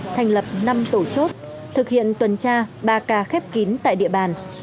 thành lập năm tổ chốt thực hiện tuần tra ba k khép kín tại địa bàn